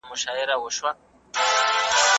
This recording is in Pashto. په ځينو کورونو کي ليور د ميرمني ژوند څنګه تريخوي؟